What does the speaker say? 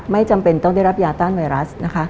จำเป็นต้องได้รับยาต้านไวรัสนะคะ